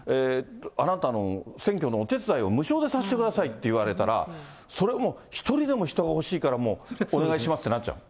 あなたの選挙のお手伝いを無償でさせてくださいと言われたらそれはもう、１人でも人が欲しいから、お願いしますってなっちゃうの？